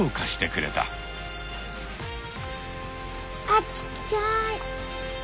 あちっちゃい。